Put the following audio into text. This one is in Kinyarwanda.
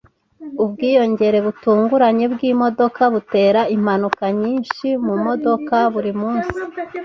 Ubwiyongere butunguranye bwimodoka butera impanuka nyinshi mumodoka burimunsi.